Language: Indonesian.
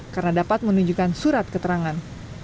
karena dapat menunjukkan surat keterangan